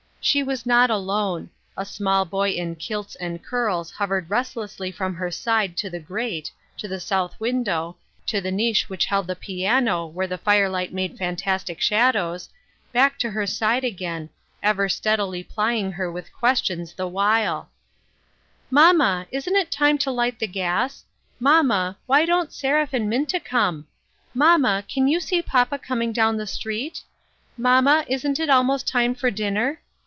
She was not alone ; a small boy in 2 AFTER SIX YEARS. kilts and curls hovered restlessly from her side to the grate, to the south window, to the niche which held the piano, where the firelight made fantastic shadows, back to her side again, ever steadily ply ing her with questions the while :—" Mamma, isn't it time to light the gas ? Mamma, why don't Seraph and Minta come ? Mamma, can you see papa coming down the street ? Mamma, isn't it almost time for dinner